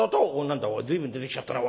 何だい随分出てきちゃったな。